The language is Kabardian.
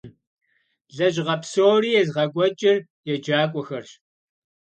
Лэжьыгъэ псори езыгъэкӀуэкӀыр еджакӀуэхэрщ.